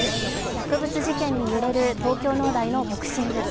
薬物事件に揺れる東京農大のボクシング部。